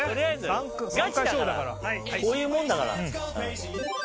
こういうもんだから。